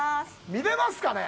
見れますかね？